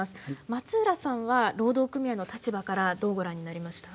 松浦さんは労働組合の立場からどうご覧になりました？